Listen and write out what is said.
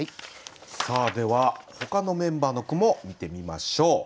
さあではほかのメンバーの句も見てみましょう。